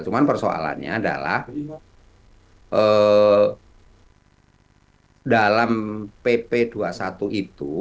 cuma persoalannya adalah dalam pp dua puluh satu itu